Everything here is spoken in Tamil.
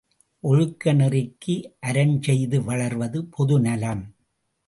ஒழுக்க நெறிக்கு அரண் செய்து வளர்வது பொதுநலம்.